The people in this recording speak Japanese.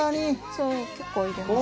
そう結構入れます。